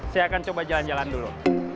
saya akan coba jalan jalan dulu